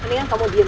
mendingan kamu diam